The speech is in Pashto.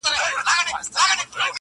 دې تور مارته له خالقه سزا غواړم -